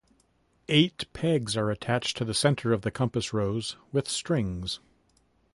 Eight pegs are attached to the centre of the compass rose with strings.